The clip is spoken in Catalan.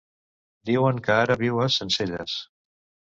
Diuen que ara viu a Sencelles.